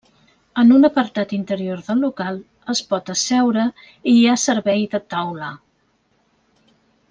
En un apartat interior del local es pot asseure i hi ha servei de taula.